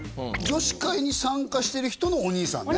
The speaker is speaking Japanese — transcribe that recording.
女子会に参加してる人のお兄さんね